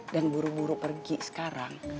dan buru buru pergi sekarang